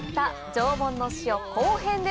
縄文の塩後編です。